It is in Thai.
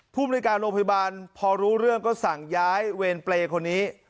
ภูมิในการโรงพยาบาลพอรู้เรื่องก็สั่งย้ายเวรเปรย์คนนี้